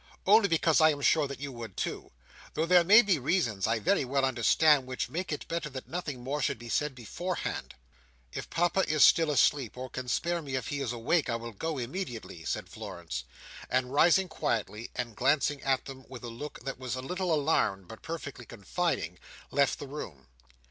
Only because I am sure that you would too. Though there may be reasons I very well understand, which make it better that nothing more should be said beforehand." "If Papa is still asleep, or can spare me if he is awake, I will go immediately," said Florence. And rising quietly, and glancing at them with a look that was a little alarmed but perfectly confiding, left the room.